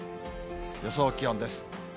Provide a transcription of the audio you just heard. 予想気温です。